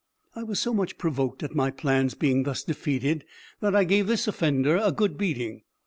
I was so much provoked at my plans being thus defeated, that I gave this offender a good beating.